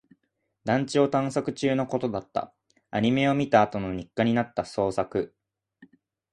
団地を探索中のことだった。アニメを見たあとの日課になった探索。